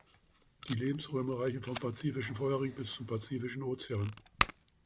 Die Lebensräume reichen vom pazifischen Feuerring bis zum pazifischen Ozean.